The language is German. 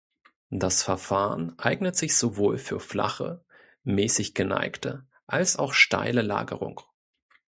Das Verfahren eignet sich sowohl für flache, mäßig geneigte als auch steile Lagerung.